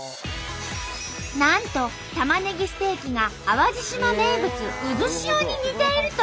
なんとたまねぎステーキが淡路島名物「渦潮」に似ていると話題に。